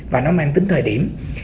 và nó mang tính thời điểm